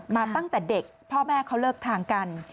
มาตั้งแต่เด็กพ่อแม่เขาเลิกทางกัน